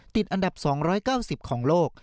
ติดอันดับ๒๙๐ของโลก